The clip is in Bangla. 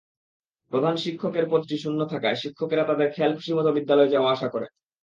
প্রধান শিক্ষকের পদটি শূন্য থাকায় শিক্ষকেরা তাঁদের খেয়ালখুশিমতো বিদ্যালয়ে যাওয়া-আসা করেন।